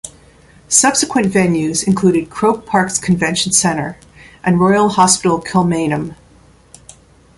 Subsequent venues included Croke Park's convention centre and Royal Hospital Kilmainham.